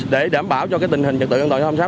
để đảm bảo cho tình hình trật tự an toàn giao thông sát